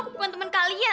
aku bukan temen kalian